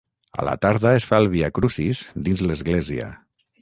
A la tarda es fa el viacrucis dins l'església.